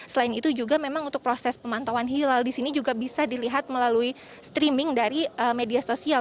selain itu juga memang untuk proses pemantauan hilal di sini juga bisa dilihat melalui streaming dari media sosial